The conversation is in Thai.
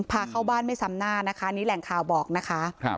พาเข้าบ้านไม่ซ้ำหน้านะคะอันนี้แหล่งข่าวบอกนะคะ